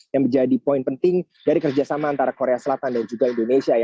yang menjadi poin penting dari kerjasama antara korea selatan dan juga indonesia